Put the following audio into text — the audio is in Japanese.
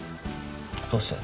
どうして？